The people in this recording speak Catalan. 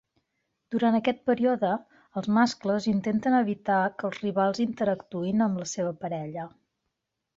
Durant aquest període, els mascles intenten evitar que els rivals interactuïn amb la seva parella.